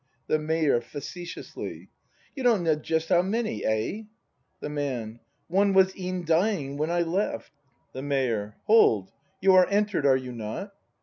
The Mayor. [Facetiously.] You don't know just how many, eh ? The Man. One was e'en dying when I left. The Mayor. Hold. You are enter'd, are you not?